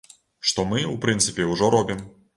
Што мы, у прынцыпе, ужо робім.